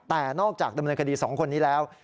แต่นอกจากดำเนินคดี๒คนนี้แล้ว